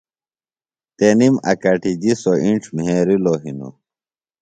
تنِم اکٹِجیۡ سوۡ اِنڇ مھیرِلوۡ ہنوۡ